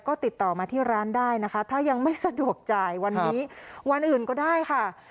ก็ติดต่อมาที่ร้านได้นะคะถ้ายังไม่สะดวกจ่ายวันนี้วันอื่นก็ได้ค่ะ